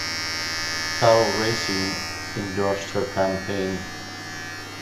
Karl Racine endorsed her campaign.